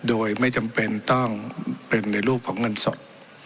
โดยไม่จำเป็นต้องเป็นในรูปของเงินสด